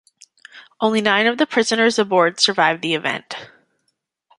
Only nine of the prisoners aboard survived the event.